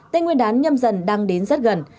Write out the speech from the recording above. tên nguyên đàn nhâm dần đang đến rất gần